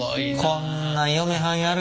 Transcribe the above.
こんなん嫁はん「やる」